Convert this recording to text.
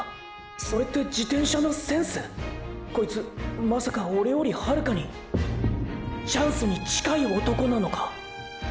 それって自転車のセンスーー⁉こいつまさかオレよりはるかに「チャンス」に近い男なのか！！